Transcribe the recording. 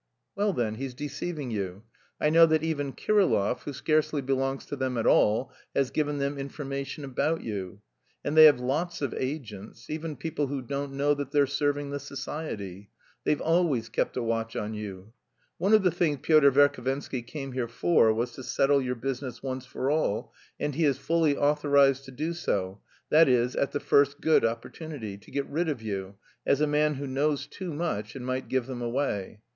"Well then, he's deceiving you. I know that even Kirillov, who scarcely belongs to them at all, has given them information about you. And they have lots of agents, even people who don't know that they're serving the society. They've always kept a watch on you. One of the things Pyotr Verhovensky came here for was to settle your business once for all, and he is fully authorised to do so, that is at the first good opportunity, to get rid of you, as a man who knows too much and might give them away.